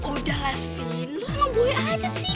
udahlah sih lo sama gue aja sih